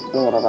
lu ngerti pak